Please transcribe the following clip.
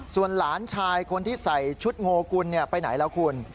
ส่วนหลานชายคนที่ใส่ชุดโงกุลไปไหนแล้วคุณ